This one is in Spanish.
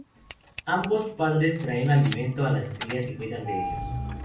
Ambos padres traen alimento a las crías y cuidan de ellos.